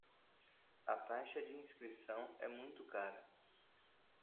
A taxa de inscrição é muito cara